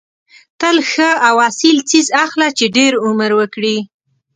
تل ښه او اصیل څیز اخله چې ډېر عمر وکړي.